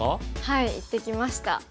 はい行ってきました。